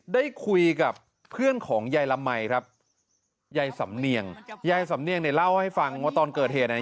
ได้คุยกับเพื่อนของยายละมัยครับยายสำเนียงยายสำเนียงเนี่ยเล่าให้ฟังว่าตอนเกิดเหตุเนี่ย